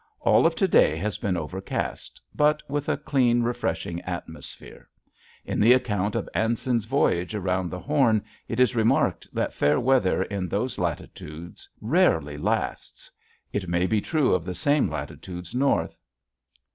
All of to day has been overcast, but with a clean, refreshing atmosphere. In the account of Anson's voyage around the Horn it is remarked that fair weather in those latitudes rarely lasts. It may be true of the same latitudes north.